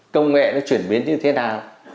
công nghệ nó chuyển biến như thế nào